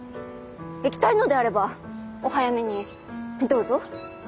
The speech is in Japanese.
行きたいのであればお早めにどうぞ。